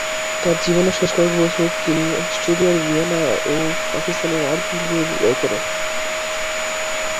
তার জীবনের শেষ কয়েক বছর তিনি অস্ট্রিয়ার ভিয়েনা এবং পাকিস্তানের রাওয়ালপিন্ডিতে ব্যয় করেন।